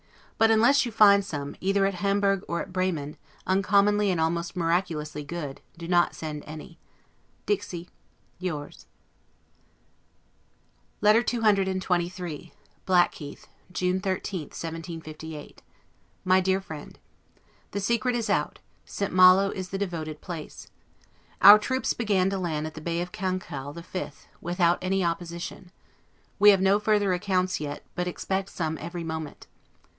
But unless you find some, either at Hamburg or at Bremen, uncommonly and almost miracuously good, do not send any. Dixi. Yours. LETTER CCXXIII BLACKHEATH, June 13, 1758. MY DEAR FRIEND: The secret is out: St. Malo is the devoted place. Our troops began to land at the Bay of Cancale the 5th, without any opposition. We have no further accounts yet, but expect some every moment.